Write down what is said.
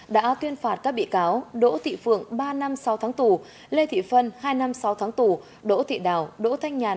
đã tuyên phạt các bị cáo đỗ thị phượng ba năm sáu tháng tù lê thị phân hai năm sáu tháng tù đỗ thị đào đỗ thanh nhàn